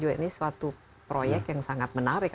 ini suatu proyek yang sangat menarik